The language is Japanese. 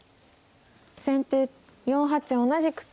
先手４八同じく金。